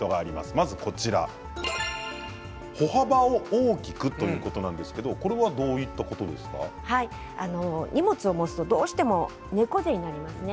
まず歩幅を大きくということなんですが、これは荷物を持つとどうしても猫背になりますね。